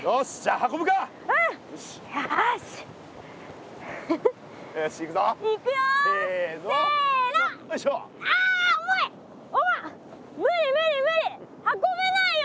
運べないよ